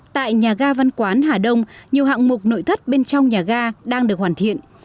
tại nhà ga văn quán hà đông nhiều hạng mục nội thất bên trong nhà ga đang được hoàn thiện